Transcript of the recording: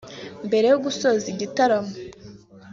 Mbere yo gusoza igitaramo